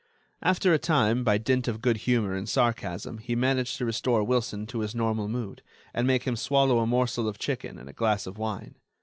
After a time, by dint of good humor and sarcasm, he managed to restore Wilson to his normal mood, and make him swallow a morsel of chicken and a glass of wine.